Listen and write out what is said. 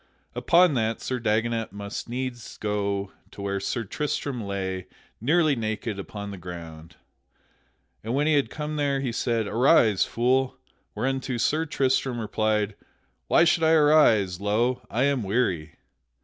Upon that Sir Dagonet must needs go to where Sir Tristram lay, nearly naked, upon the ground. And when he had come there he said, "Arise, fool." Whereunto Sir Tristram replied: "Why should I arise? Lo! I am weary."